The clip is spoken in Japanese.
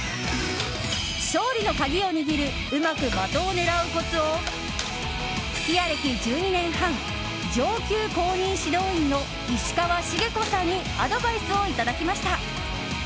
勝利の鍵を握るうまく的を狙うコツを吹矢歴１２年半上級公認指導員の石川茂子さんにアドバイスをいただきました。